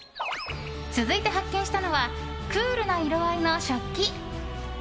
続いて発見したのはクールな色合いの食器。